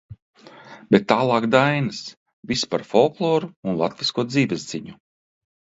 Bet tālāk dainas, viss par folkloru un latvisko dzīvesziņu.